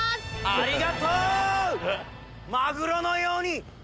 ありがとう！